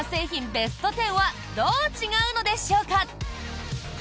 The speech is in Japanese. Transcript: ベスト１０はどう違うのでしょうか？